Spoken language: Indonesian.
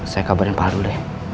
saya kabarin pak aduh deh